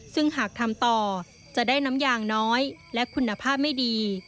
ซึ่งหากทำต่อจะได้น้ำยางน้อยและคุณภาพไม่ดี